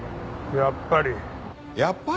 やっぱり。